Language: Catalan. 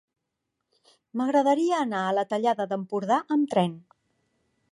M'agradaria anar a la Tallada d'Empordà amb tren.